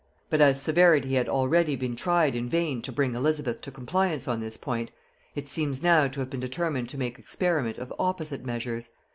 But as severity had already been tried in vain to bring Elizabeth to compliance on this point, it seems now to have been determined to make experiment of opposite measures.